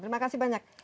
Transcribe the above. terima kasih banyak